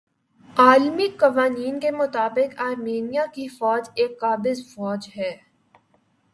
عالمی قوانین کے مطابق آرمینیا کی فوج ایک قابض فوج ھے